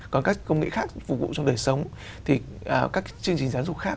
còn các công nghệ khác phục vụ trong đời sống thì các chương trình giáo dục khác